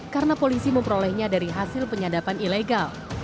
karena polisi memperolehnya dari hasil penyadapan ilegal